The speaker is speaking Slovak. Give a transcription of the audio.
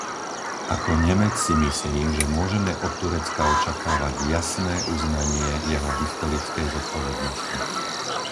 Ako Nemec si myslím, že môžeme od Turecka očakávať jasné uznanie jeho historickej zodpovednosti.